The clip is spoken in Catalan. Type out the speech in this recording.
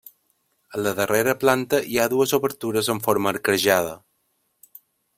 A la darrera planta hi ha dues obertures en forma arquejada.